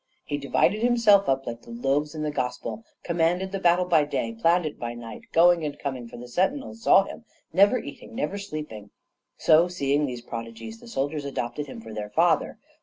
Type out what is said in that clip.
"He divided himself up like the loaves in the Gospel, commanded the battle by day, planned it by night; going and coming, for the sentinels saw him never eating, never sleeping. So, seeing these prodigies, the soldiers adopted him for their father.